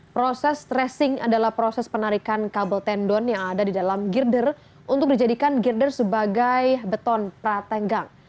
proses tracing adalah proses penarikan kabel tendon yang ada di dalam girder untuk dijadikan girder sebagai beton pratenggang